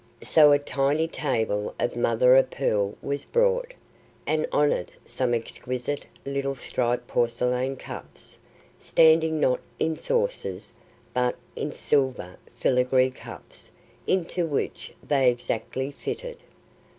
So a tiny table of mother of pearl was brought, and on it some exquisite little striped porcelain cups, standing not in saucers, but in silver filigree cups into which they exactly fitted.